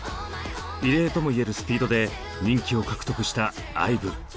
異例とも言えるスピードで人気を獲得したＩＶＥ。